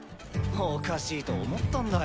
おかしいと思ったんだよ。